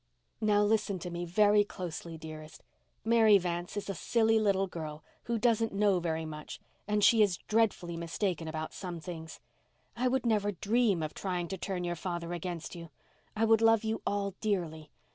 Now listen to me, very closely, dearest. Mary Vance is a silly little girl who doesn't know very much and she is dreadfully mistaken about some things. I would never dream of trying to turn your father against you. I would love you all dearly.